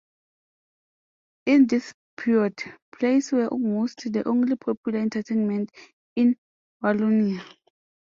In this period, plays were almost the only popular entertainment in Wallonia.